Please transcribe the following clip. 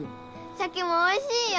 シャケもおいしいよ！